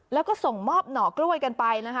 แล้วก็ส่งมอบหน่อกล้วยกันไปนะคะ